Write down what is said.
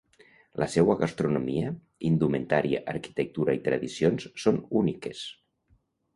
La seua gastronomia, indumentària, arquitectura i tradicions són úniques.